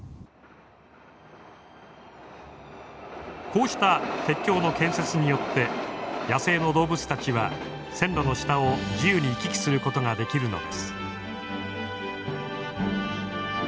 こうした鉄橋の建設によって野生の動物たちは線路の下を自由に行き来することができるのです。